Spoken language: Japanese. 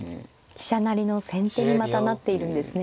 飛車成りの先手にまたなっているんですね。